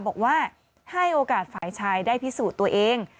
บอกว่าให้โอกาสฝ่ายชายได้พิสูจน์ตัวเอง